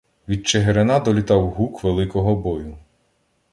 Від Чигирина долітав гук великого бою.